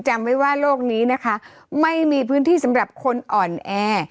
จำไว้ว่าโลกนี้นะคะไม่มีพื้นที่สำหรับคนอ่อนแอ